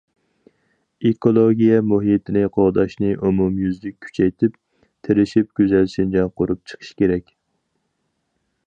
ئېكولوگىيە- مۇھىتنى قوغداشنى ئومۇميۈزلۈك كۈچەيتىپ، تىرىشىپ گۈزەل شىنجاڭ قۇرۇپ چىقىش كېرەك.